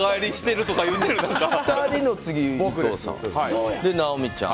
２人の次は、伊藤さん。